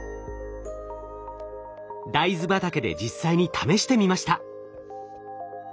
ダイズ畑で実際に試してみました。